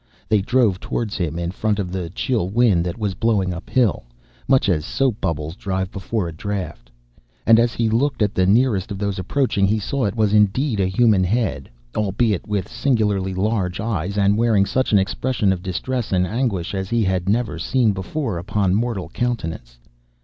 They drove towards him, in front of the chill wind that was blowing uphill, much as soap bubbles drive before a draught. And as he looked at the nearest of those approaching, he saw it was indeed a human head, albeit with singularly large eyes, and wearing such an expression of distress and anguish as he had never seen before upon mortal countenance.